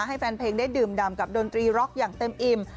ให้แฟนเพลงได้ดื่มดำกับดนตรีร็อกอย่างเต็มอิ่ม